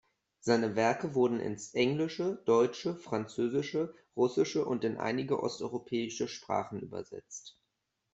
Seine Werke wurden ins Englische, Deutsche, Französische, Russische und in einige osteuropäische Sprachen übersetzt.